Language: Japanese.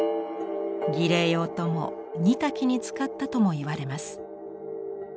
儀礼用とも煮炊きに使ったともいわれます。